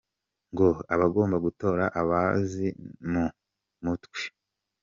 Ngo abagomba gutora abazi mu mu mutwe !